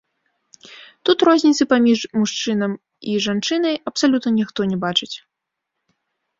Тут розніцы паміж мужчынам і жанчынай абсалютна ніхто не бачыць.